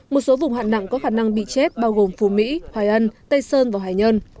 một số vùng hạn nặng có khả năng bị chết bao gồm phú mỹ hoài ân tây sơn và hải nhân